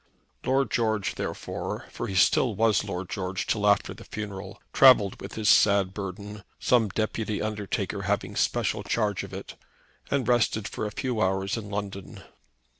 Lord George, therefore, for he was still Lord George till after the funeral, travelled with his sad burden, some deputy undertaker having special charge of it, and rested for a few hours in London.